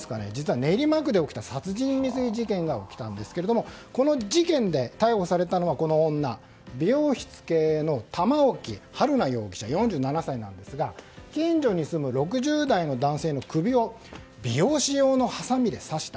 練馬区で殺人未遂事件が起きたんですがこの事件で逮捕されたのがこの女美容室経営の玉置春奈容疑者４７歳なんですが近所に住む６０代の男性の首を美容師用のはさみで刺した。